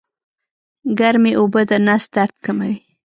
ګرمې اوبه د نس درد کموي